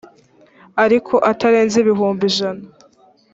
ariko atarenze ibihumbi ijana